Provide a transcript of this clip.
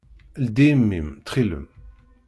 Ldi imi-m, ttxil-m!